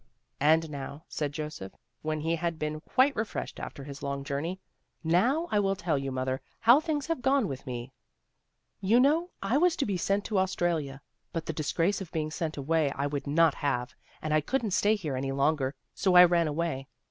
"And now," said Joseph, when he had been quite refreshed after his long journey, "now I SORROW MOTHER NO LONGER 57 will tell you. Mother, how things have gone with me. You know, I was to be sent to Australia. But the disgrace of being sent away I would not have, and I couldn't stay here any longer, so I ran away.